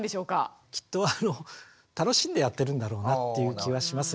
きっとあの楽しんでやってるんだろうなっていう気はします。